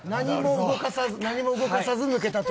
何も動かさず抜けたと。